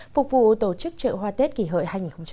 phục vụ tổ chức trợ hoa tết kỳ hợi hai nghìn một mươi chín